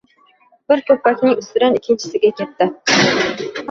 Bir ko‘ppakning ustidan ikkinchisiga ketdi.